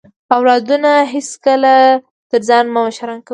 اولادونه هیڅکله تر ځان مه مشران کوئ